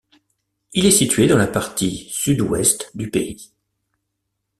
Il est situé dans la partie sud-ouest du pays.